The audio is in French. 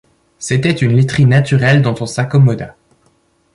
C’était une literie naturelle dont on s’accommoda.